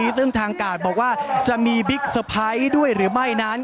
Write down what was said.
ซึ่งทางกาดบอกว่าจะมีบิ๊กเซอร์ไพรส์ด้วยหรือไม่นั้น